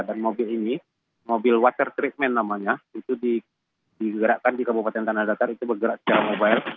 dan mobil ini mobil water treatment namanya itu digerakkan di kabupaten tanah datar itu bergerak secara mobile